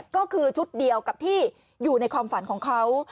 ก็คือชุดเดียวกับที่อยู่ในความฝันของเขา